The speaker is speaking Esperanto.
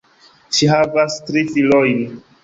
Ŝi havas tri filojn.